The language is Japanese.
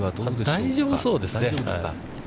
大丈夫そうですね。